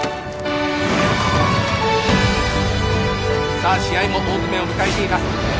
さあ試合も大詰めを迎えています